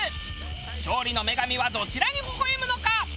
勝利の女神はどちらにほほ笑むのか？